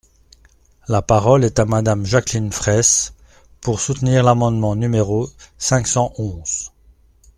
La parole est à Madame Jacqueline Fraysse, pour soutenir l’amendement numéro cinq cent onze.